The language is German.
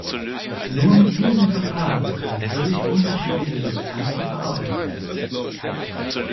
Nur mit diesem Verfahren können völlig unterschiedliche Substanzen verarbeitet werden.